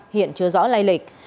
hiện chưa rõ lai lịch